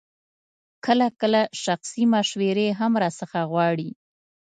کله کله شخصي مشورې هم راڅخه غواړي.